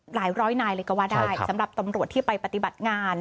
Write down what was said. ร้อยนายเลยก็ว่าได้สำหรับตำรวจที่ไปปฏิบัติงาน